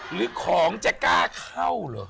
หรือของจะกล้าเข้าเหรอ